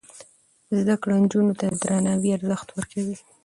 زده کړه نجونو ته د درناوي ارزښت ور زده کوي.